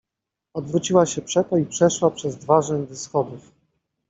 Odwróciła się przeto i przeszła przez dwa rzędy schodów.